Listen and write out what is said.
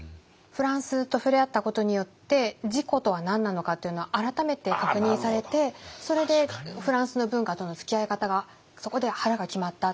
フランスと触れ合ったことによって自己とは何なのかっていうのを改めて確認されてそれでフランスの文化とのつきあい方がそこで腹が決まった。